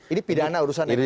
ini pidana urusan ini